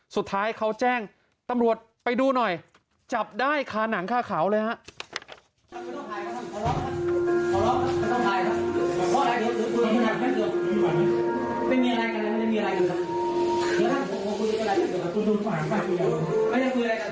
สุดท้ายเขาแจ้งตำรวจไปดูหน่อยจับได้คาหนังคาเขาเลยฮะ